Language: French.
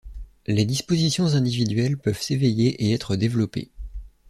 Les dispositions individuelles peuvent s'éveiller et être développées.